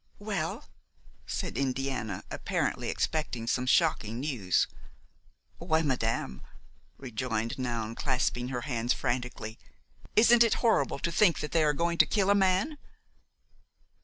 "Well?" said Indiana, apparently expecting some shocking news. "Why, madame," rejoined Noun, clasping her hands frantically, "isn't it horrible to think that they are going to kill a man?"